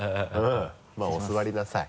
まぁお座りなさい。